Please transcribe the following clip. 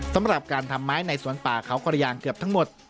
สำหรับการทำไม้ในสวนป่าเขากระยางเกือบทั้งหมด